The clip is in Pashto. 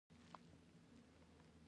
هغې په انګړ کې ولاړو کسانو ته غږ کړ.